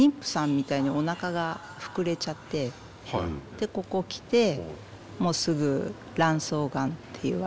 でここ来てもうすぐ卵巣がんって言われて。